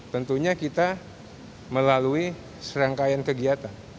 tentunya kita melalui serangkaian kegiatan